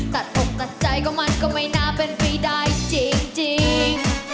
ตัดอกตัดใจก็มันก็ไม่น่าเป็นไปได้จริง